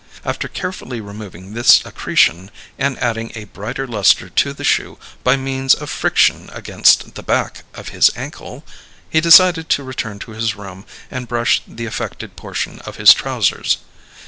After carefully removing this accretion and adding a brighter lustre to the shoe by means of friction against the back of his ankle, he decided to return to his room and brush the affected portion of his trousers.